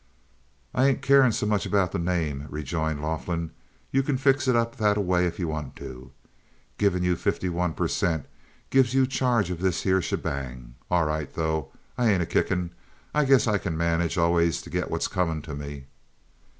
"I ain't keerin' so much about the name," rejoined Laughlin. "You can fix it that a way if you want to. Givin' you fifty one per cent. gives you charge of this here shebang. All right, though; I ain't a kickin'. I guess I can manage allus to git what's a comin' to me.